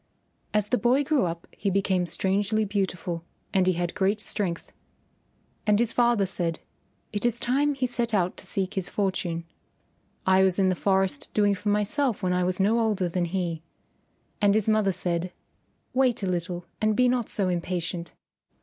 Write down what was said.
As the boy grew up he became strangely beautiful and he had great strength. And his father said, "It is time he set out to seek his fortune. I was in the forest doing for myself when I was no older than he." And his mother said, "Wait a little and be not so impatient.